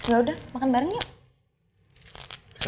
yaudah makan bareng yuk